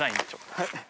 はい。